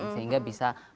sehingga bisa meminimalisir